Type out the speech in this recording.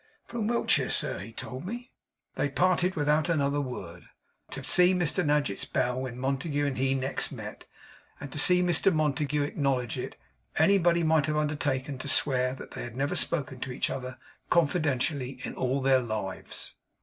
'From Wiltshire, sir, he told me.' They parted without another word. To see Mr Nadgett's bow when Montague and he next met, and to see Mr Montague acknowledge it, anybody might have undertaken to swear that they had never spoken to each other confidentially in all their lives.